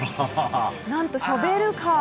何と、ショベルカー。